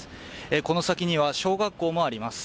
この先には小学校もあります。